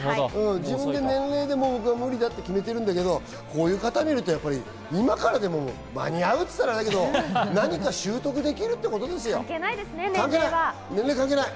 年齢で無理だって決めてるんだけど、こういう方を見ると今からでも間に合うって言ったらアレだけど、何か習得できるってことですよ。